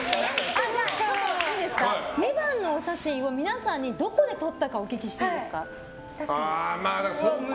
じゃあ、２番のお写真を皆さんにどこで撮ったかをお聞きしていいですか？